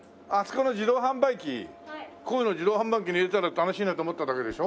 こういうの自動販売機に入れたら楽しいなと思っただけでしょ？